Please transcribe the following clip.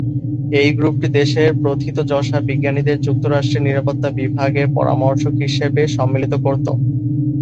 এই গ্রুপটি দেশের প্রথিতযশা বিজ্ঞানীদের যুক্তরাষ্ট্রের নিরাপত্তা বিভাগের পরামর্শক হিসেবে সম্মিলিত করত।